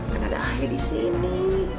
kan ada ayah disini